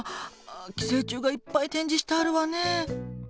寄生虫がいっぱい展示してあるわね。